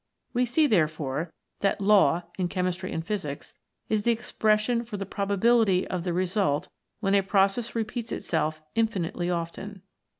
We see, therefore, that Law in Chemistry and Physics is the expression for the probability of the result when a process repeats itself infinitely often.